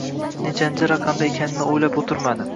Nechanchi raqamli ekanini o’ylab o’tirmadi.